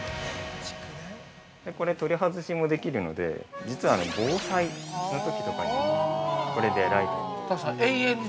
◆これ、取り外しもできるので実は防災のときとかにこれでライトが。